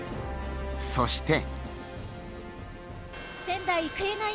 そして。